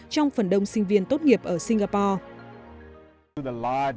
trong phần đông sinh viên tốt nghiệp ở singapore